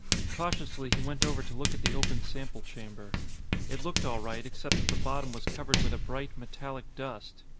Cautiously, he went over to look at the open sample chamber. It looked all right, except that the bottom was covered with a bright, metallic dust.